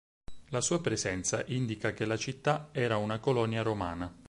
La sua presenza indica che la città era una colonia romana.